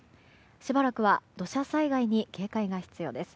しばらくは土砂災害に警戒が必要です。